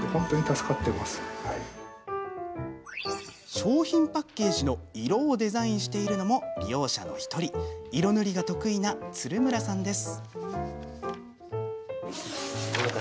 商品パッケージの色をデザインしているのも利用者の１人色塗りが得意な鶴村さんです。